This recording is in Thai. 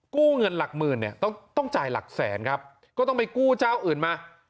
กู้เงินหลักหมื่นเนี่ยต้องต้องจ่ายหลักแสนครับก็ต้องไปกู้เจ้าอื่นมา